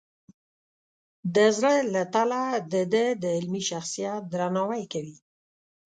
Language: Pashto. د زړه له تله د ده د علمي شخصیت درناوی کوي.